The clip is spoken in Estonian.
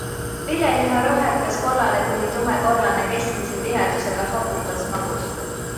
Viljaliha rohekaskollane kuni tumekollane, keskmise tihedusega, hapukasmagus.